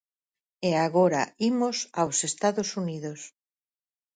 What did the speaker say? E agora imos aos Estados Unidos.